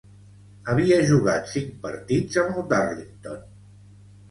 Havia jugat cinc partits amb el Darlington.